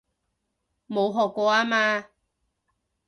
冇學過吖嘛